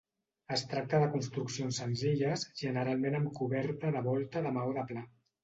Es tracta de construccions senzilles, generalment amb coberta de volta de maó de pla.